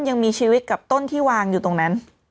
ยังมีชีวิตกับต้นที่วางอยู่ตรงนั้น